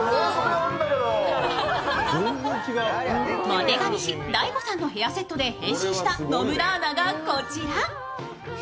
モテ髪師・大悟さんのヘアセットで変身した野村アナがこちら。